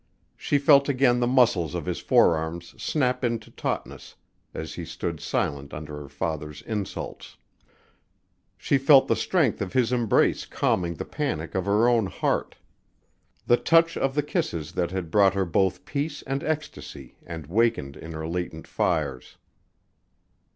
She felt again the muscles of his forearms snap into tautness as he stood silent under her father's insults. She felt the strength of his embrace calming the panic of her own heart; the touch of the kisses that had brought her both peace and ecstasy and wakened in her latent fires.